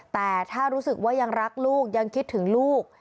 แต่ถ้ารู้สึกว่ายังรักลูกยังคิดถึงลูก